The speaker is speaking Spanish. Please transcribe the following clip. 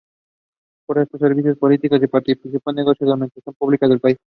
Prestó servicios políticos y participó en los negocios de la administración pública del país.